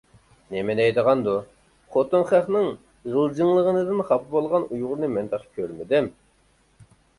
-نېمە دەيدىغاندۇ، خوتۇن خەقنىڭ غىلجىڭلىغىنىدىن خاپا بولغان ئۇيغۇرنى مەن تېخى كۆرمىدىم!